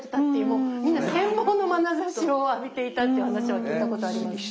もうみんな羨望のまなざしを浴びていたという話を聞いたことあります。